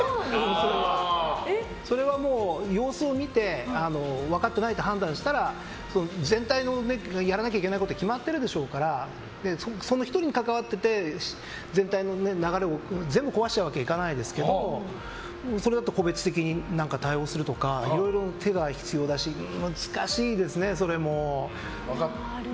それはもう、様子を見て分かってないって判断したら全体のやらなきゃいけないこと決まっているでしょうからその１人に関わっていて全体の流れを全部壊すわけには行かないですけどそのあと個別的に対応するとかいろいろ手が必要だし難しいですね、それも。